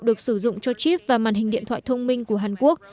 được sử dụng cho chip và màn hình điện thoại thông minh của hàn quốc